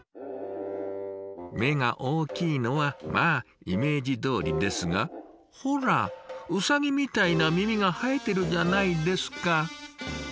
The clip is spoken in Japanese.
目が大きいのはまあイメージどおりですがほらウサギみたいな耳が生えてるじゃないですか。